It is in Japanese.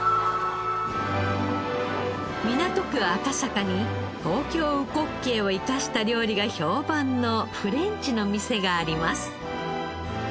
港区赤坂に東京うこっけいを生かした料理が評判のフレンチの店があります。